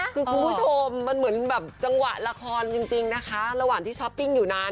คือคุณผู้ชมมันเหมือนแบบจังหวะละครจริงนะคะระหว่างที่ช้อปปิ้งอยู่นั้น